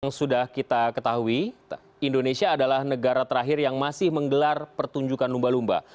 yang sudah kita ketahui indonesia adalah negara terakhir yang masih menggelar pertunjukan lumba lumba